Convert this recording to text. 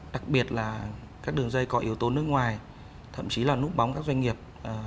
đặc biệt là các đường dây có yếu tố nước ngoài thậm chí là núp bóng các doanh nghiệp